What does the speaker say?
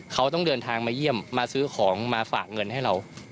เขาต้องเดินทางมาเยี่ยมมาซื้อของมาฝากเงินให้เรา